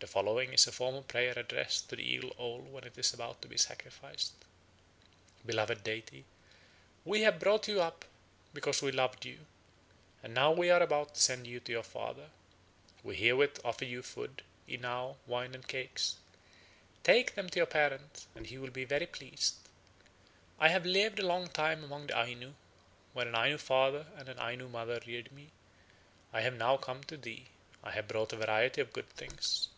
The following is the form of prayer addressed to the eagle owl when it is about to be sacrificed: "Beloved deity, we have brought you up because we loved you, and now we are about to send you to your father. We herewith offer you food, inao, wine, and cakes; take them to your parent, and he will be very pleased. When you come to him say, 'I have lived a long time among the Ainu, where an Ainu father and an Ainu mother reared me. I now come to thee. I have brought a variety of good things.